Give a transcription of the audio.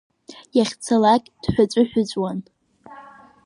Иахьцалак дҳәыҵәы-ҳәыҵәуан.